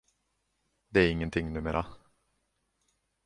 Det är ingenting numera.